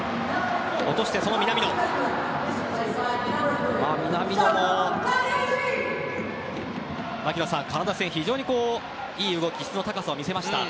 槙野さん、南野もカナダ戦で非常にいい動き質の高さを見せました。